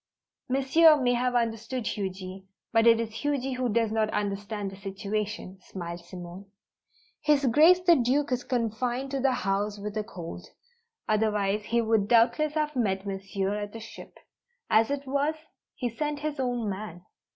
"Monsieur may have understood Huji. But it is Huji who does not understand the situation," smiled Simone. "His Grace the Duke is confined to the house with a cold. Otherwise he would doubtless have met Monsieur at the ship. As it was, he sent his own man.